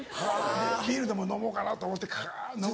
ビールでも飲もうかなと思ってカって飲む。